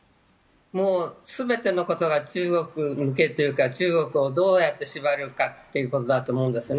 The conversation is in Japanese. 全てのことが中国向けというか、中国をどうやって縛るかということだと思うんですね。